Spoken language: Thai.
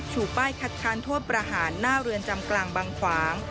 ป้ายคัดค้านโทษประหารหน้าเรือนจำกลางบางขวาง